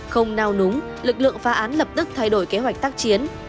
không nao núng lực lượng phá án lập tức thay đổi kế hoạch tác chiến